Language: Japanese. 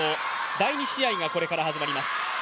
第２試合がこれから始まります、